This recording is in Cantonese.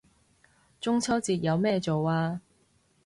中秋節有咩做啊